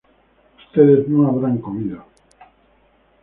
ustedes no habrá comido